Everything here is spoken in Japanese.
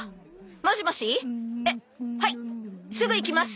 もしもしえっはいすぐ行きます！